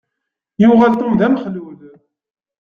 Yuɣal Tom d amexlul.